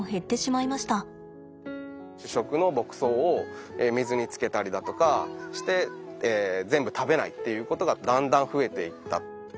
主食の牧草を水につけたりだとかして全部食べないっていうことがだんだん増えていった。